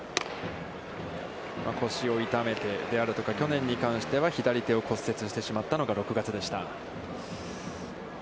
腰を痛めてであるとか去年に関しては、左手を骨折してしまったのが６月でした。